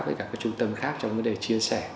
với các trung tâm khác trong vấn đề chia sẻ